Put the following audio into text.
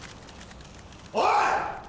・おい！